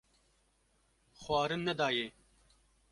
xwarin nedayê.